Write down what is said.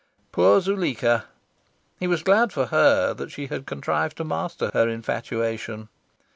Poor Zuleika! He was glad for her that she had contrived to master her infatuation...